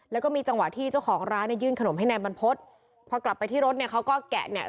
แล้วก็มีจังหวะที่เจ้าของร้านเนี่ยยื่นขนมให้นายบรรพฤษพอกลับไปที่รถเนี่ยเขาก็แกะเนี่ย